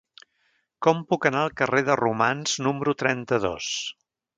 Com puc anar al carrer de Romans número trenta-dos?